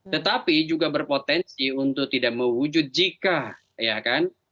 tetapi juga berpotensi untuk tidak mewujud jika ya kan